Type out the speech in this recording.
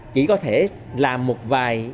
chỉ có thể làm một vài